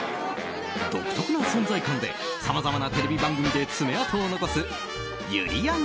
独特の存在感でさまざまなテレビ番組で爪痕を残すゆりやん